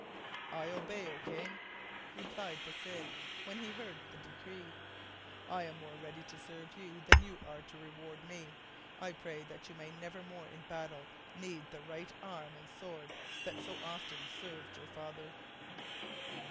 "I obey, O king," replied the Cid, when he heard the decree. "I am more ready to serve you than you are to reward me. I pray that you may never more in battle need the right arm and sword that so often served your father."